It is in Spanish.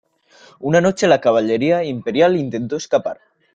Una noche, la caballería imperial intentó escapar.